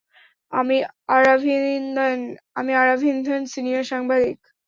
আমি আরাভিন্ধন, সিনিয়র সাংবাদিক।